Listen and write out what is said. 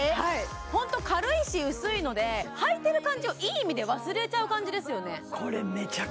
ホント軽いし薄いので履いてる感じをいい意味で忘れちゃう感じですよね